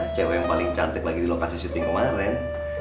cewek yang paling cantik lagi di lokasi syuting kemarin